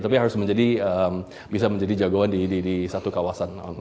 tapi harus menjadi bisa menjadi jagoan di satu kawasan